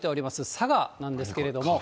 佐賀なんですけれども。